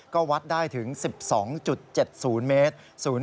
ก็วัดได้ถึง๑๒๗๐เมตร